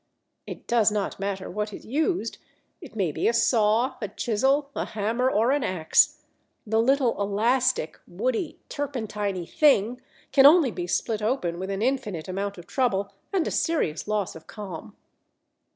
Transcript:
It does not matter what is used; it may be a saw, a chisel, a hammer, or an axe: the little elastic, woody, turpentiny thing can only be split open with an infinite amount of trouble and a serious loss of calm.